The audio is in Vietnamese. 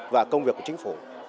và công việc của chính phủ